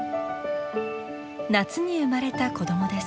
夏に生まれた子どもです。